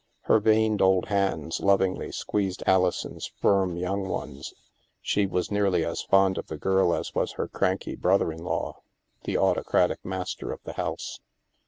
Her veined old hands lovingly squeezed Alison's firm young ones; she was nearly as fond of the girl as was her cranky brother in law, the autocratic master of the house.